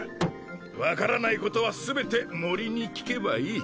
分からないことは全て森に聞けばいい。